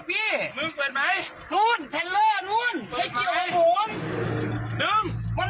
พี่ให้น้องจอดไหมพี่ขวางหัวบอกไม่จอดได้ไงไม่จอดจะชนแล้วดิ